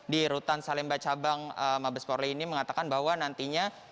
di rutan salemba cabang mabesporli ini mengatakan bahwa nantinya